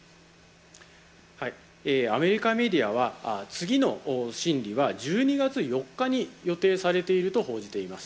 アメリカメディアは次の審議は１２月４日に予定されていると報じています。